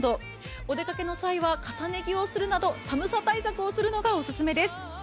お出かけの際は、重ね着をするなど寒さ対策をするのがおすすめです。